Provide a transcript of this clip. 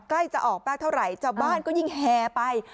ใจจะออกแปลกเท่าไหร่จับบ้านก็ยิ่งแหไป